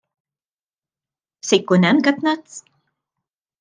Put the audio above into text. Se jkun hemm katnazz?